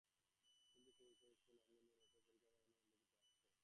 কিন্তু সে স্থলে অর্জুনাদির নামগন্ধও নাই, অথচ পরীক্ষিৎ জন্মেজয়ের নাম উল্লিখিত আছে।